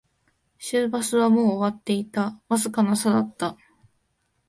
終バスはもう終わっていた、わずかな差だった